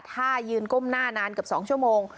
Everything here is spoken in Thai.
ถ้ายืนก้มหน้านานเกือบ๒ชั่วโมง